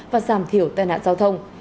và giảm thiểu tai nạn giao thông